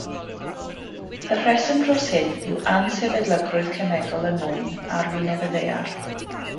Y rheswm dros hyn yw ansefydlogrwydd cemegol y mwyn ar wyneb y Ddaear.